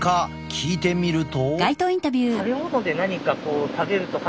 聞いてみると。